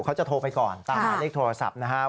เขาจะโทรไปก่อนตามหมายเลขโทรศัพท์นะครับ